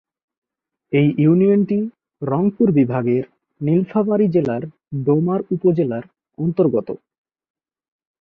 এই ইউনিয়নটি রংপুর বিভাগের নীলফামারী জেলার ডোমার উপজেলার অন্তর্গত।